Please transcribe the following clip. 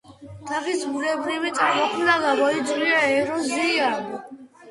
თაღის ბუნებრივი წარმოქმნა გამოიწვია ეროზიამ.